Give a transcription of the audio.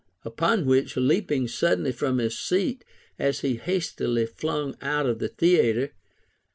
Upon which, leaping suddenly from his seat, as he hastily flung out of the theatre.